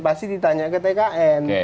pasti ditanya ke tkn